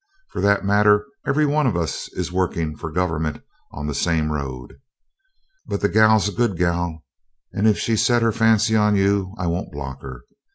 For that matter, every one of us is working for Government on the same road. But the gal's a good gal, and if she's set her fancy on you I won't block her.